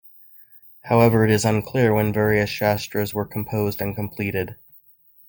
However, it is unclear when various Shastras were composed and completed.